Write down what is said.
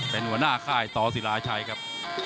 เป็นหัวหน้าค่ายต่อศิลาชัยครับ